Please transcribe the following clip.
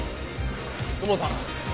土門さん。